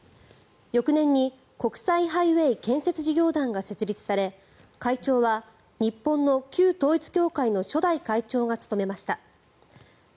翌年に国際ハイウェイ建設事業団が設立され会長は日本の旧統一教会の初代会長が務めました。